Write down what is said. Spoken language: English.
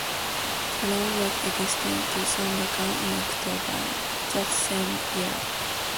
The run was extended to Sandakan in October that same year.